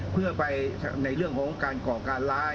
เพื่อไปในเรื่องของการก่อการร้าย